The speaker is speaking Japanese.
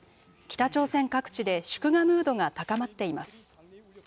北朝鮮各地で祝賀ムードが高まっています。